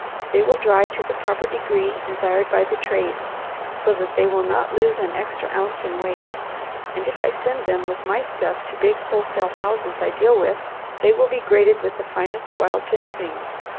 They will dry to the proper degree desired by the trade, so that they will not lose an extra ounce in weight, and if I send them with my stuff to big wholesale houses I deal with, they will be graded with the finest wild ginseng.